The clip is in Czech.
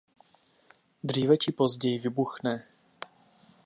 Dříve či později vybuchne.